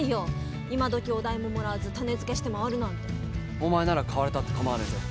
お前なら買われたって構わねえぜ。